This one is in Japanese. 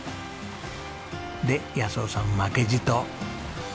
で夫さん負けじと。